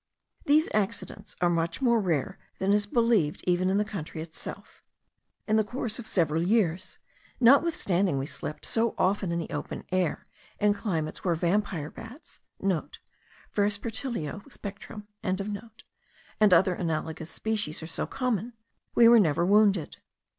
These accidents are much more rare than is believed even in the country itself. In the course of several years, notwithstanding we slept so often in the open air, in climates where vampire bats,* (* Verspertilio spectrum.) and other analogous species are so common, we were never wounded.